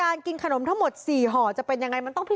และก็คือว่าถึงแม้วันนี้จะพบรอยเท้าเสียแป้งจริงไหม